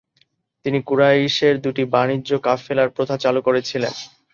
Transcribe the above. তিনি কুরাইশের দুটি বাণিজ্য কাফেলার প্রথা চালু করেছিলেন।